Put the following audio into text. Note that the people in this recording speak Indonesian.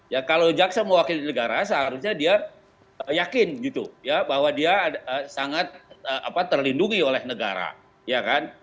ya kalau jaksa mewakili negara seharusnya dia yakin gitu ya bahwa dia sangat terlindungi oleh negara ya kan